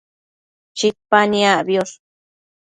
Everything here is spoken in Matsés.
Chipa niacbiosh